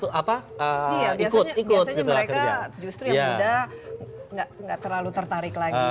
iya biasanya mereka justru yang muda nggak terlalu tertarik lagi